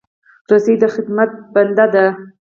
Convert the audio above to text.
رسۍ د خدمت بنده ده.